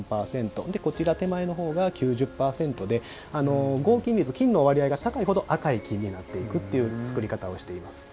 手前側のほうが９０％で金の割合が高いほど赤い金になっていくというつくりになっています。